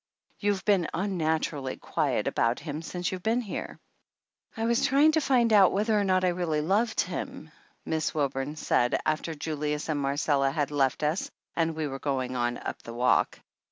You've been unnaturally quiet about him since you've been here !" "I was trying to find out whether or not I really loved him," Miss Wilburn said, after Jul ius and Marcella had left us and we were going on up the walk.